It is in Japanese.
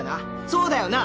そうだよな？